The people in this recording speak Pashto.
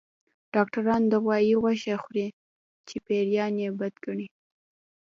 ډاکټران د غوايي غوښه خوري چې پيريان يې بد ګڼي